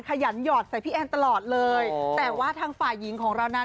ขยันหยอดใส่พี่แอนตลอดเลยแต่ว่าทางฝ่ายหญิงของเรานั้น